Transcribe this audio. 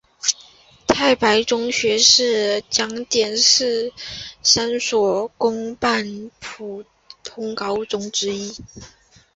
太白中学是江油市三所公办普通高中之一。